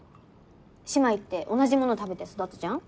姉妹って同じもの食べて育つじゃん？